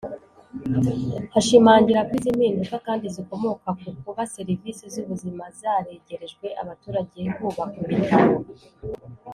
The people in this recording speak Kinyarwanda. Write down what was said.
Ashimangira ko izi mpinduka kandi zikomoka ku kuba serivisi z’ubuzima zaregerejwe abaturage hubakwa ibitaro